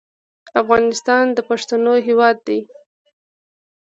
افغانستان د پښتنو هېواد دی.